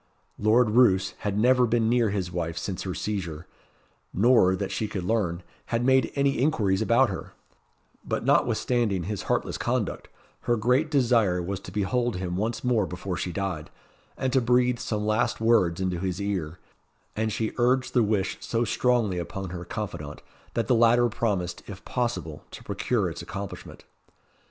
Lord Roos had never been near his wife since her seizure nor, that she could learn, had made any inquiries about her; but notwithstanding his heartless conduct, her great desire was to behold him once more before she died, and to breathe some last words into his ear; and she urged the wish so strongly upon her confidante, that the latter promised, if possible, to procure its accomplishment.